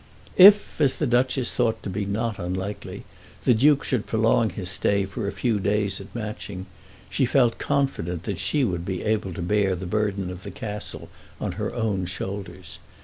If, as the Duchess thought to be not unlikely, the Duke should prolong his stay for a few days at Matching, she felt confident that she would be able to bear the burden of the Castle on her own shoulders.